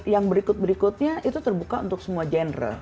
yang berikut berikutnya itu terbuka untuk semua genre